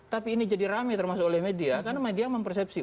tapi ini jadi rame termasuk oleh media karena media mempersepsi